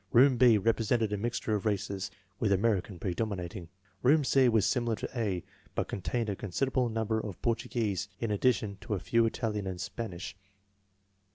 Room B represented a mixture of races, with American predominating. Room C was similar to A, but contained a considerable number of Portuguese, in addition to a few Italian and Spanish.